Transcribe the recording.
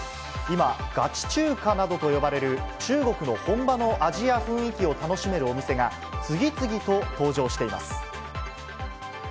今、ガチ中華などと呼ばれる、中国の本場の味や雰囲気を楽しめるお店が、次々と登場しています。